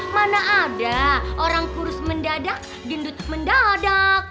mana ada orang kurus mendadak dindut mendadak